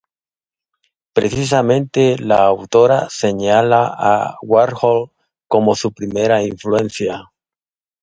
Precisamente, la autora señala a Warhol como su principal influencia.